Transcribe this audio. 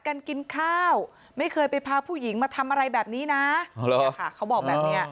กันกินข้าวไม่เคยไปพาผู้หญิงมาทำอะไรแบบนี้นะค่ะเขาบอกแบบเนี้ย